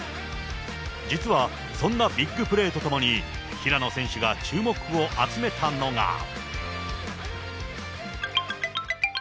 実はそんなビッグプレーとともに平野選手が注目を集めたのが。